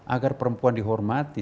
agar perempuan dihormati